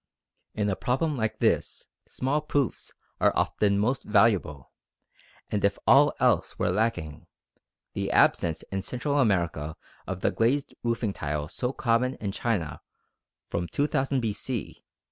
_ In a problem like this small proofs are often most valuable, and if all else were lacking, the absence in Central America of the glazed roofing tile so common in China from 2000 B.C.